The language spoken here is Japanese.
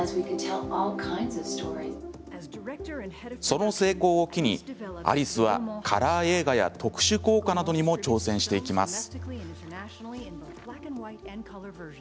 その成功を機に、アリスはカラー映画や特殊効果などにも挑戦していきます。